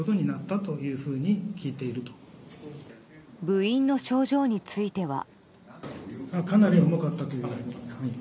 部員の症状については。